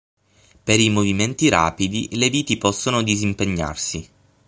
Per i movimenti rapidi le viti possono disimpegnarsi.